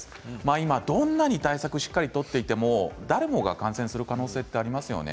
今どんなに対策をしっかり取っていても誰も感染する可能性がありますね。